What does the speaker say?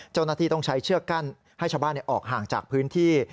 เจ้าหน้าที่ต้องใช้เชือกกั้นให้ชาวบ้านออกห่างจากพื้นที่